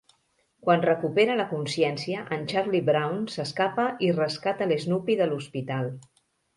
Quan recupera la consciència, en Charlie Brown s'escapa i rescata l'Snoopy de l'hospital.